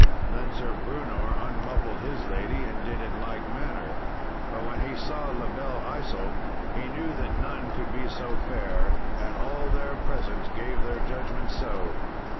Then Sir Brewnor unmuffled his lady and did in like manner. But when he saw La Belle Isault he knew that none could be so fair, and all there present gave their judgment so.